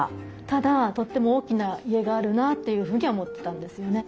ただとっても大きな家があるなあというふうには思ってたんですよね。